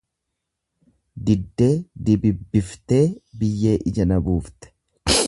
Diddee dibibbiftee biyyee ija na buufte.